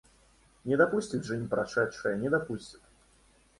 Не допустит жизнь, прошедшее не допустит.